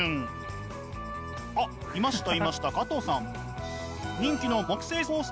あっいましたいました加藤さん。